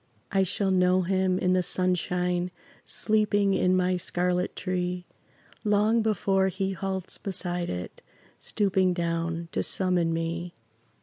I shall know him, in the sunshine Sleeping in my scarlet tree, Long before he halts beside it Stooping down to summon me.